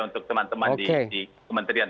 untuk teman teman di kementerian